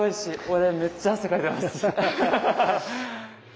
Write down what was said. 俺めっちゃ汗かいてます。